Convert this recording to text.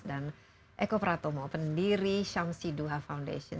dan eko pratomo pendiri shamsi dhuha foundation